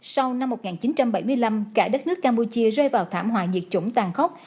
sau năm một nghìn chín trăm bảy mươi năm cả đất nước campuchia rơi vào thảm họa diệt chủng tàn khốc